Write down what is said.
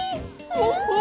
フフフフ。